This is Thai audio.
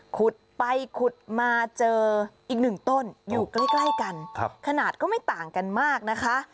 ขุดไปขุดมาเจออีกหนึ่งต้นอยู่ใกล้กันขนาดก็ไม่ต่างกันมากนะคะ